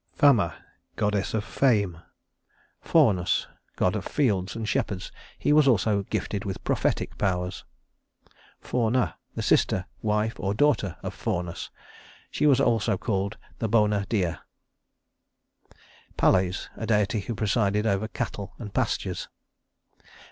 Fama, goddess of Fame. Faunus, god of fields and shepherds. He was also gifted with prophetic powers. Fauna, the sister wife or daughter of Faunus. She was also called the Bona Dea. Pales, a deity who presided over cattle and pastures.